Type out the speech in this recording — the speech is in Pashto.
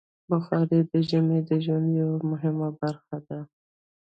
بخاري د ژمي د ژوند یوه مهمه برخه ده.